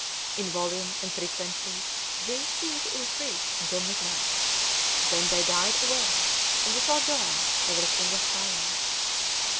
In volume and frequency these seemed to increase until midnight. Then they died away and before dawn everything was silent.